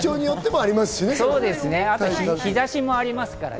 あと日差しがありますからね。